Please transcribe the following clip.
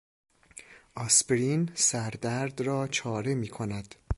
آسپرین سردرد را چاره میکند.